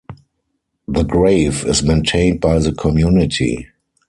The grave is maintained by the community.